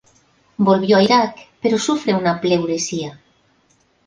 Volvió a Irak, pero sufre una pleuresía.